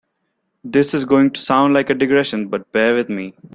This is going to sound like a digression, but bear with me.